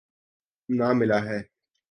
نہ ملاح ہے۔